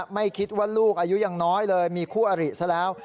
ไม่คิดว่าลูกอายุยังน้อยเลยมีคู่อริซะแล้ว